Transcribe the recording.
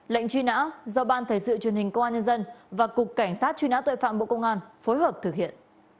lệnh truy nã do ban thể sự truyền hình công an nhân dân và cục cảnh sát truy nã tội phạm bộ công an phối hợp thực hiện